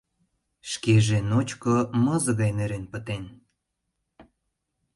Шкеже ночко мызе гай нӧрен пытен.